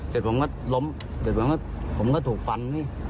แต่ผมก็ล้มผมก็ถูกฟันพี่